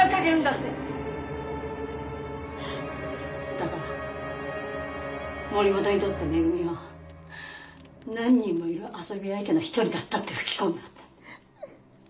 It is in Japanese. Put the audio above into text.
だから森本にとって恵は何人もいる遊び相手の一人だったって吹き込んだんだ。